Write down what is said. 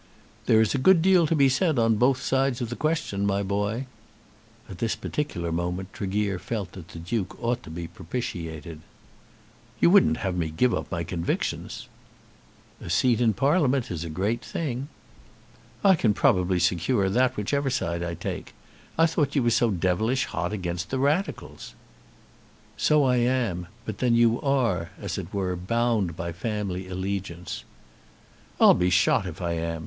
"There is a good deal to be said on both sides of the question, my boy." At this particular moment Tregear felt that the Duke ought to be propitiated. "You wouldn't have me give up my convictions!" "A seat in Parliament is a great thing." "I can probably secure that, whichever side I take. I thought you were so devilish hot against the Radicals." "So I am. But then you are, as it were, bound by family allegiance." "I'll be shot if I am.